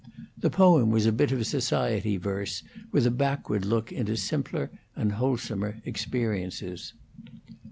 The poem was a bit of society verse, with a backward look into simpler and wholesomer experiences.